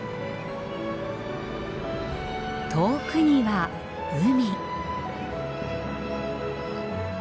遠くには海。